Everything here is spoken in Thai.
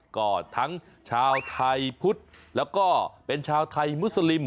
ก็ทั้งชาวไทยพุทธแล้วก็เป็นชาวไทยมุสลิม